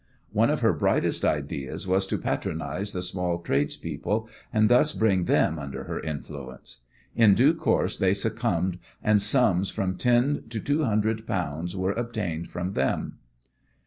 One of her brightest ideas was to patronize the small tradespeople, and thus bring them under her influence. In due course they succumbed, and sums from ten to two hundred pounds were obtained from them.